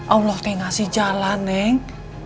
allah kayak ngasih jalan neng